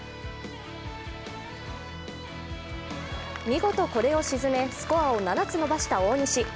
見事これを沈め、スコアを７つ伸ばした大西。